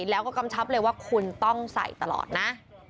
แล้วก็กำชับเลยว่าคุณต้องใส่ตลอดนะ